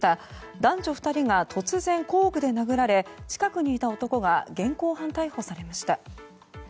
男女２人が突然工具で殴られ近くにいた男が現行犯逮捕されました。